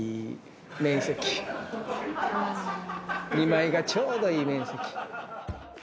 ２枚がちょうどいい面積。